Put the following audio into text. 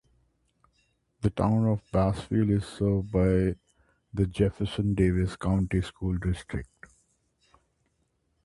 The Town of Bassfield is served by the Jefferson Davis County School District.